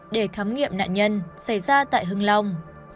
để khám nghiệm nạn nhân xảy ra tại hưng long